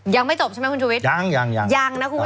ยังไม่จบใช่ไหมคุณชุวิตยัง